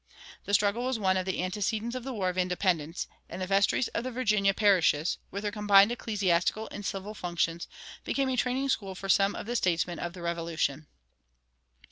The struggle was one of the antecedents of the War of Independence, and the vestries of the Virginia parishes, with their combined ecclesiastical and civil functions, became a training school for some of the statesmen of the Revolution.